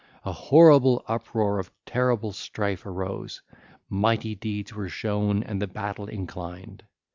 An horrible uproar of terrible strife arose: mighty deeds were shown and the battle inclined.